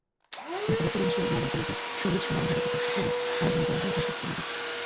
Dhaka residential model কলেজে সবুজের সমারোহে গতকাল শুক্রবার আয়োজন করা ভাষা প্রতিযোগের।